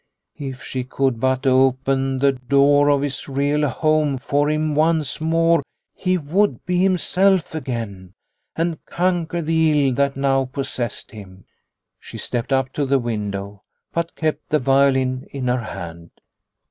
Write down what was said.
If she could but open the door of his real home for him once more he would be himself again, and conquer the ill that now possessed him. She stepped up to the window, but kept the violin in her hand.